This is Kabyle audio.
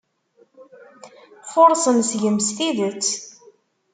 Furṣen seg-m s tidet.